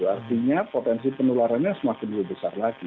artinya potensi penularannya semakin lebih besar lagi